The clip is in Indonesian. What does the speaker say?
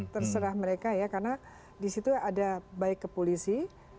terserah mereka ya karena disitu ada baik ke polisi